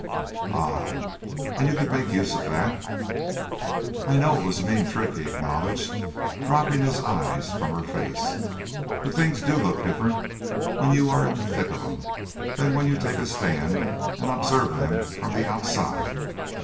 "Ah! and you could make use of that?" "I know it was a mean trick," he acknowledged, dropping his eyes from her face. "But things do look different when you are in the thick of 'em than when you take a stand and observe them from the outside.